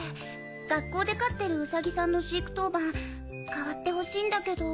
学校で飼ってるウサギさんの飼育当番代わってほしいんだけど。